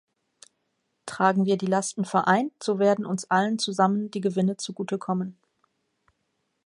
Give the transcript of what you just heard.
Tragen wir die Lasten vereint, so werden uns allen zusammen die Gewinne zugutekommen.